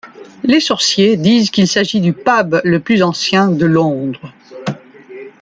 Les sorciers disent qu'il s'agit du pub le plus ancien de Londres.